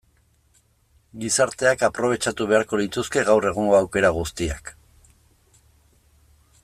Gizarteak aprobetxatu beharko lituzke gaur egungo aukera guztiak.